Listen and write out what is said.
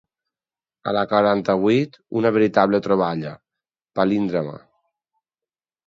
A la quaranta-vuit una veritable troballa: "Palindrama.